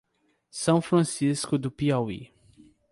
São Francisco do Piauí